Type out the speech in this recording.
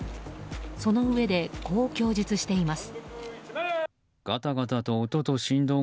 そのうえでこう供述しています。